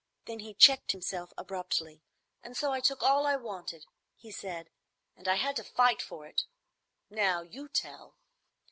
Then he checked himself abruptly. "And so I took all I wanted," he said, "and I had to fight for it. Now you tell."